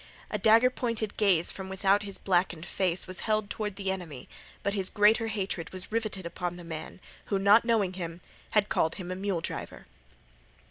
A dagger pointed gaze from without his blackened face was held toward the enemy, but his greater hatred was riveted upon the man, who, not knowing him, had called him a mule driver.